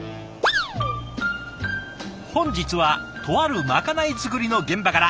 本日はとあるまかない作りの現場から。